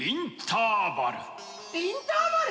インターバル。